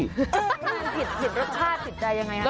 ใช่ไม่ใช่คิดหรักชาติคิดใจอย่างไร